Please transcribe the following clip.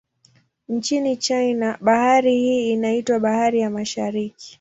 Nchini China, bahari hii inaitwa Bahari ya Mashariki.